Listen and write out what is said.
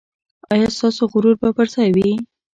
ایا ستاسو غرور به پر ځای وي؟